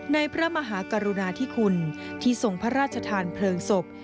พระมหากรุณาธิคุณที่ทรงพระราชทานเพลิงศพ